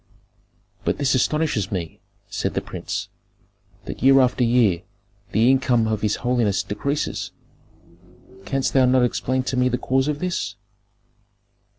"But this astonishes me," said the prince, "that year after year the income of his holiness decreases. Canst thou not explain to me the cause of this?"